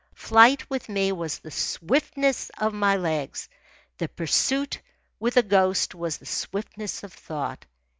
Flight, with me, was the swiftness of my legs. The pursuit, with a ghost, was the swiftness of thought.